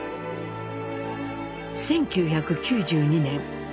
１９９２年。